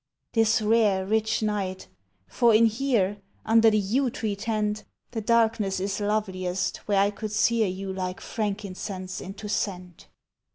This rare, rich night! For in here Under the yew tree tent The darkness is loveliest where I could sear You like frankincense into scent.